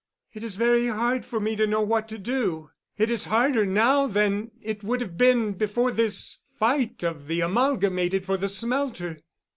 "It is very hard for me to know what to do. It is harder now than it would have been before this fight of the Amalgamated for the smelter.